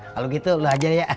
kalau gitu lu aja deh